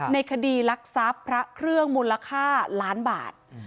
ในคดีรักทรัพย์พระเครื่องมูลค่าล้านบาท